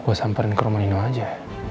gue samperin ke rumah nino aja